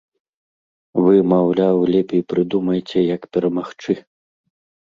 Вы, маўляў, лепей прыдумайце, як перамагчы!